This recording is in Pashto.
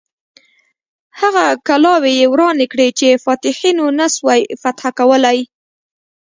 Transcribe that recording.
هغه کلاوې یې ورانې کړې چې فاتحینو نه سوای فتح کولای.